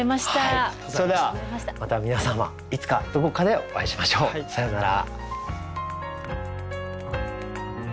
それではまた皆様いつかどこかでお会いしましょう。さようなら。